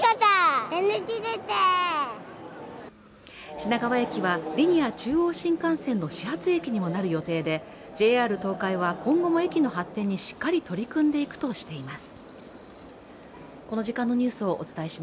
品川駅は、リニア中央新幹線の始発駅にもなる予定でＪＲ東海は今後も駅の発展にしっかり取り組んでいくとしています。